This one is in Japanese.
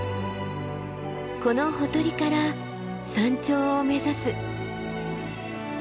このほとりから山頂を目指す。